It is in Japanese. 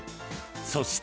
そして。